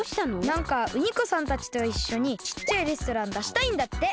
なんかウニコさんたちといっしょにちっちゃいレストランだしたいんだって。